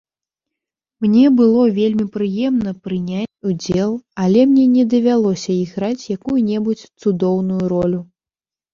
Мне было вельмі прыемна прыняць удзел, але мне не давялося іграць якую-небудзь цудоўную ролю.